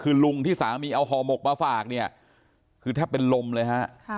คือลุงที่สามีเอาห่อหมกมาฝากเนี่ยคือแทบเป็นลมเลยฮะ